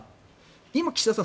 今、岸田さん